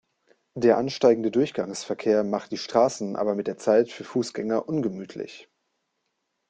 Der ansteigende Durchgangsverkehr machte die Straße aber mit der Zeit für Fußgänger ungemütlich.